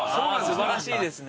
素晴らしいですね。